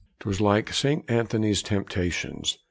'Twas like St. Anthony's temptations.